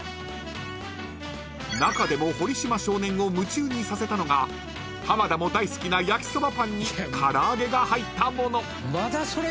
［中でも堀島少年を夢中にさせたのが浜田も大好きな焼きそばパンに唐揚げが入ったもの］